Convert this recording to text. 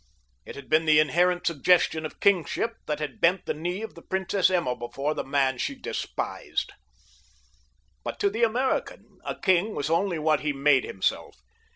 It had been the inherent suggestion of kingship that had bent the knee of the Princess Emma before the man she despised. But to the American a king was only what he made himself.